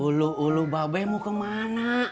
ulu ulu babe mau kemana